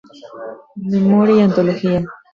Memoria y antología".